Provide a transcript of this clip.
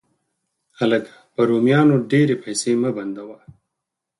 هلکه، په رومیانو ډېرې پیسې مه بندوه.